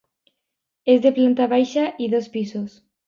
És de planta baixa i dos pisos.